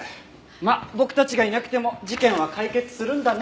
まあ僕たちがいなくても事件は解決するんだね。